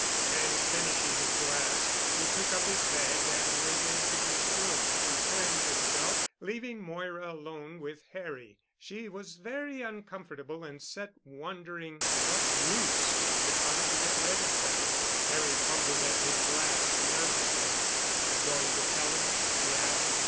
And finishing his glass, he took up his bag and went into his room to cleanse himself, leaving Moira alone with Harry. She was very uncomfortable, and sat wondering what ruse she could find to get rid of them. Harry fumbled at his glass nervously. "You're going to tell him?" he asked.